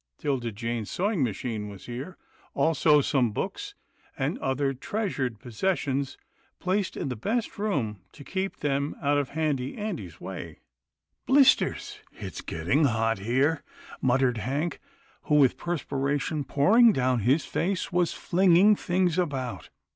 'Tilda Jane's sewing machine was here, also some books, and other treasured possessions placed in the best room to keep them out of Handy Andy's way. " Blisters ! it's getting hot here," muttered Hank, who with perspiration pouring down his face, was flinging things about.